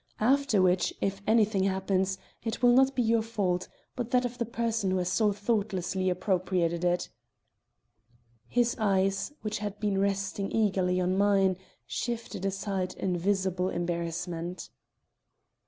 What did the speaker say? After which, if anything happens, it will not be your fault, but that of the person who has so thoughtlessly appropriated it." His eyes, which had been resting eagerly on mine, shifted aside in visible embarrassment.